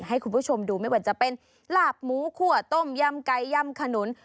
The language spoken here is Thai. ให้คุณผู้ชมดูไม่ว่าจะเป็นหลาบหมูคั่วต้มยำไก่ยำขนุน